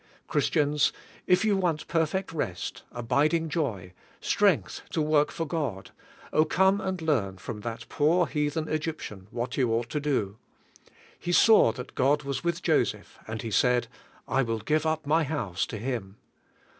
Christians, if you want perfect rest, abiding joy, strength to work for God, oh, come and learn from that poor heathen Egyptian what you ought to do. He saw that God was with Joseph and he said, "I will give up my house to him."